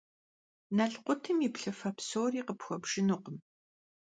Nalkhutım yi plhıfe psori khıpxuebjjınukhım.